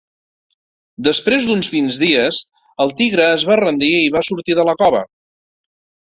Després d'uns vint dies, el tigre es va rendir i va sortir de la cova.